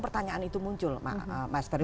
pertanyaan itu muncul mas ferry